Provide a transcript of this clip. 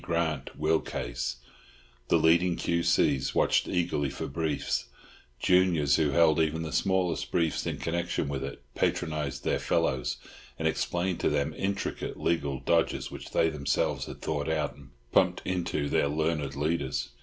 Grant will case? The leading Q.C.'s. watched eagerly for briefs; juniors who held even the smallest briefs in connection with it patronised their fellows, and explained to them intricate legal dodges which they themselves had thought out and "pumped into" their learned leaders.